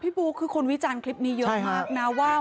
พี่ปูคุณวิจารณ์คลิปนี้เยอะมากนะว่า